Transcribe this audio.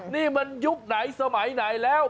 นี่มันยุคไหนสมัยไหนแล้ว